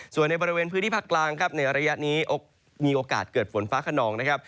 ส่วนในบริเวณพื้นที่ภาคกลางครับในระยะนี้มีโอกาสเกิดฝนฟ้าขนองนะครับ